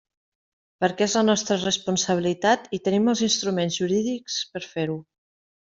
Perquè és la nostra responsabilitat i tenim els instruments jurídics per a fer-ho.